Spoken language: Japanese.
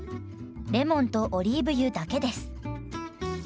レモンとオリーブ油だけです。